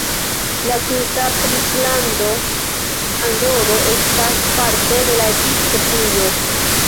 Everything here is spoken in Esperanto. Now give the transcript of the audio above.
La tuta princlando Andoro estas parto de la episkopujo.